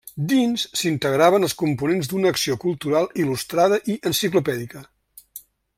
Dins, s'integraven els components d'una acció cultural il·lustrada i enciclopèdica.